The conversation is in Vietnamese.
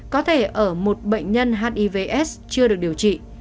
có thể ở một bệnh nhân hivs chưa được điều trị